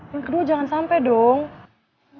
yang kedua jangan sampai dong